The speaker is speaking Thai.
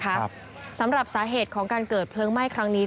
ครับสำหรับสาเหตุของการเกิดเพลิงไหม้ครั้งนี้